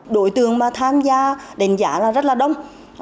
đối tượng mà tham gia đánh giá là rất là đông